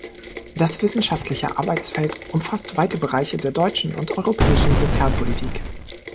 Das wissenschaftliche Arbeitsfeld umfasst weite Bereiche der deutschen und europäischen Sozialpolitik.